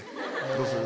どうする？